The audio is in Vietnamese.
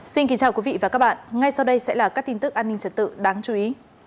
xin kính chào quý vị và các bạn ngay sau đây sẽ là các tin tức an ninh trật tự đáng chú ý